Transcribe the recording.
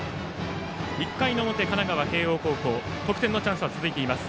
１回の表神奈川・慶応高校得点のチャンスは続いています。